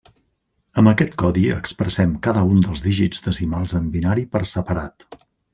Amb aquest codi expressem cada un dels dígits decimals en binari per separat.